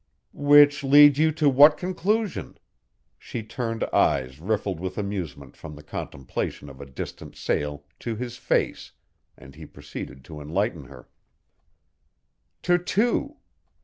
"Which lead you to what conclusion?" She turned eyes riffled with amusement from the contemplation of a distant sail to his face, and he proceeded to enlighten her. "To two.